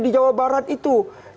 di jawa barat itu